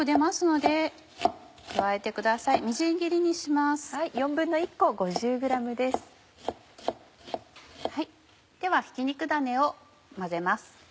ではひき肉ダネを混ぜます。